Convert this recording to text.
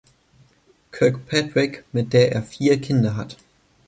Kirkpatrick, mit der er vier Kinder hat.